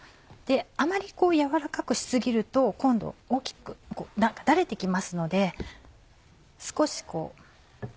あまりやわらかくし過ぎると今度だれて来ますので少しこう。